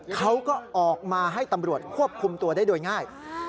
เขาก็ออกมาให้ตำรวจควบคุมตัวได้โดยง่าย